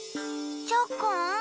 チョコン。